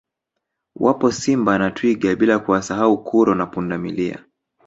Wapo Simba na Twiga bila kuwasau kuro na Pundamilia